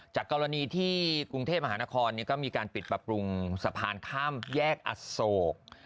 จากกรณีที่กรุงเทพมหานครก็มีการปิดปรับปรุงสะพานข้ามแยกอโศก